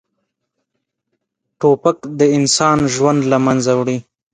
توپک د انسان ژوند له منځه وړي.